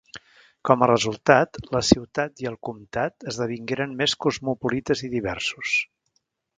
Com a resultat, la ciutat i el comptat esdevingueren més cosmopolites i diversos.